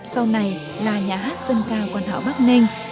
sau này là nhà hát dân cao quan hậu bắc ninh